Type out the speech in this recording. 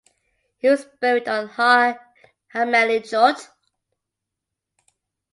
He was buried on Har Hamenuchot.